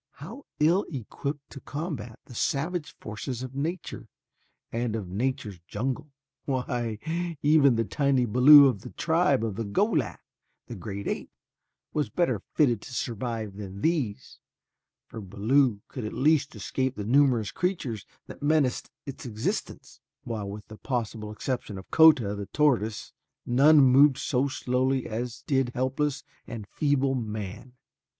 How ill equipped to combat the savage forces of nature and of nature's jungle. Why, even the tiny balu of the tribe of Go lat, the great ape, was better fitted to survive than these, for a balu could at least escape the numerous creatures that menaced its existence, while with the possible exception of Kota, the tortoise, none moved so slowly as did helpless and feeble man.